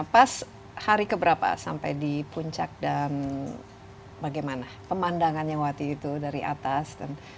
pas hari keberapa sampai di puncak dan bagaimana pemandangannya waktu itu dari atas